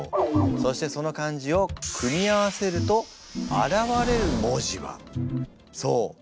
そしてその漢字を組み合わせると現れる文字はそう。